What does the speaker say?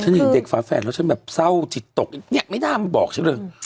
เห็นเด็กฝาแฝดแล้วฉันแบบเศร้าจิตตกเนี่ยไม่น่ามาบอกฉันเลย